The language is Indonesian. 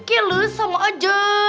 kayak lu sama aja